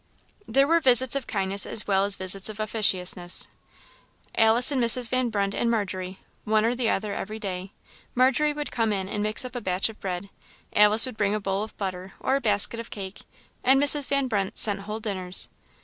There were visits of kindness as well as visits of officiousness. Alice and Mrs. Van Brunt and Margery, one or the other every day. Margery would come in and mix up a batch of bread; Alice would bring a bowl of butter or a basket of cake; and Mrs. Van Brunt sent whole dinners.